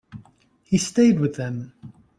He stayed with them.